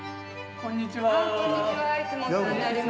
こんにちは。